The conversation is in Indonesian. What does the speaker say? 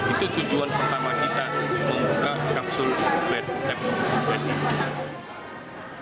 itu tujuan pertama kita untuk membuka kapsul bed